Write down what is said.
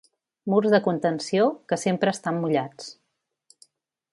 Murs de contenció que sempre estan mullats.